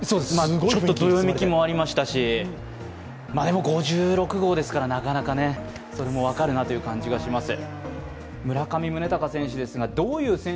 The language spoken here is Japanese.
ちょっと、どよめきもありましたし、でも、５６号ですから、なかなかね、それも分かるなという感じがします。